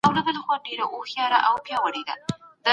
په ټکنالوژۍ کي باید نوي بدلونونه راسي.